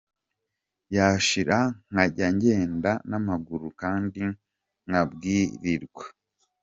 Yashira nkajya ngenda n’amaguru kandi nkabwirirwa.